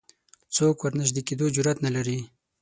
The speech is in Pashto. څوک ورنژدې کېدو جرئت نه لري